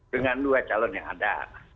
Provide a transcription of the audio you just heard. dengan dua calon yang ada